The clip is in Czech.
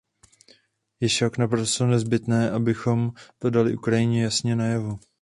Je však naprosto nezbytné, abychom to dali Ukrajině jasně najevo.